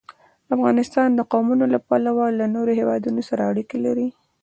افغانستان د قومونه له پلوه له نورو هېوادونو سره اړیکې لري.